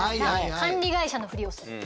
管理会社のふりをする。